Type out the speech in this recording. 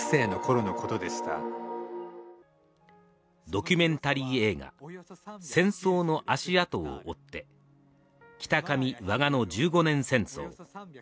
ドキュメンタリー映画「戦争の足跡を追って北上・和賀の十五年戦争」